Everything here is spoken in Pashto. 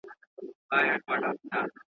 سره ټول به شاعران وي هم زلمي هم ښکلي نجوني!